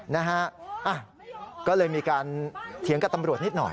นะฮะก็เลยมีการเถียงกับตำรวจนิดหน่อย